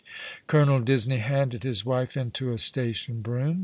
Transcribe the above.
Colonel Disney handed his wife into a station brougham.